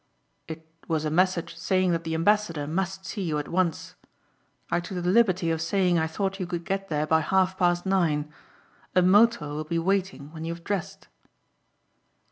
"It was a message saying that the ambassador must see you at once. I took the liberty of saying I thought you could get there by half past nine. A motor will be waiting when you have dressed."